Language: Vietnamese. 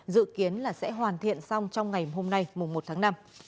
dự kiến sẽ hoàn thiện xong trong ngày hôm nay một tháng năm